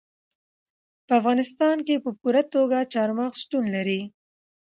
په افغانستان کې په پوره توګه چار مغز شتون لري.